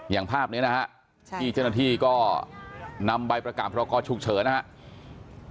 อย่างภาพนี้นะฮะที่เจ้าหน้าที่ก็นำใบประกาศพรกรฉุกเฉินนะครับ